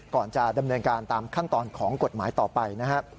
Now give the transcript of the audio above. ก่อนจะดำเนินการตามขั้นตอนของกฎหมายต่อไปนะครับ